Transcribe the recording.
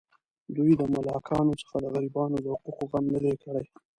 دوی د ملاکانو څخه د غریبانو د حقوقو غم نه دی کړی.